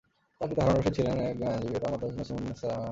তার পিতা হারুন-অর-রশীদ ছিলেন একজন আইনজীবী এবং তার মাতা নছিমুননেসা।